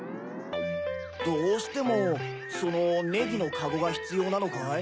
どうしてもそのネギのカゴがひつようなのかい？